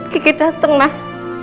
kiki dateng mas